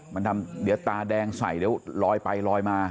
มันทำเดี๋ยวตาแดงใส่เดี๋ยวลอยไปลอยมา